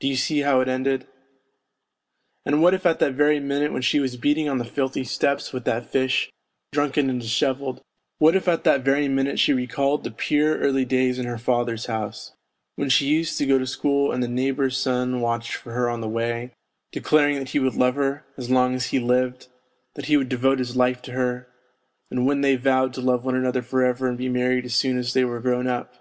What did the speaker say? Do you see how it ended ? And what if at that very minute when she was beating on the iilthy steps with that fish, drunken and dishevelled what if at that very minute she recalled the pure early days in her father's NOTES FROM UNDERGROUND 131 house, when she used to go to school and the neighbour's son watched for her on the way, declaring that he would love her as long as he lived, that he would devote his life to her, and when they vowed to love one another for ever and be married as soon as they were grown up